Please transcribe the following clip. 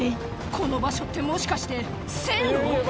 この場所ってもしかして線路？